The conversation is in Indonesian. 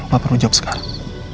lo nggak perlu jawab sekarang